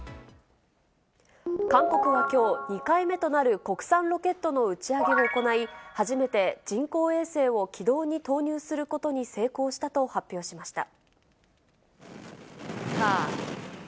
韓国はきょう、２回目となる国産ロケットの打ち上げを行い、初めて人工衛星を軌道に投入することに成功したと発表しました。